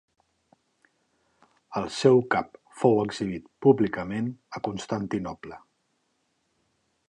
El seu cap fou exhibit públicament a Constantinoble.